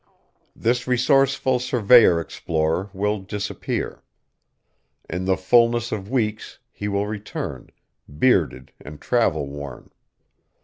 This resourceful surveyor explorer will disappear. In the fullness of weeks he will return, bearded and travel worn.